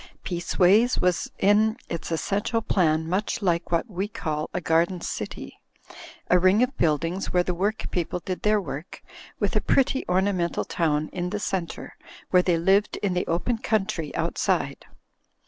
Peaceways was in its essential plan much like what we call a Garden City; a ring of buildings where the \i^rk people did their work, with a pretty ornamental town in the centre, where they lived in the open coun try outside.